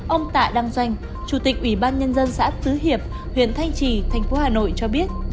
ông tạ đăng doanh chủ tịch ủy ban nhân dân xã tứ hiệp huyện thanh trì thành phố hà nội cho biết